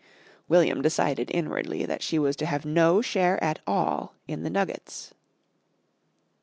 William decided inwardly that she was to have no share at all in the nuggets.